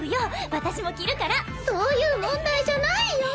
私も着るからそういう問題じゃないよ